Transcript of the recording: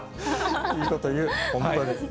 いいこと言う、本当に。